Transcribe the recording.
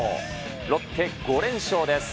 ロッテ、５連勝です。